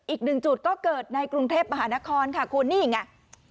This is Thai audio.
อีกหนึ่งจุดก็เกิดในกรุงเทพมหานครคูณี่อย่างน่ะ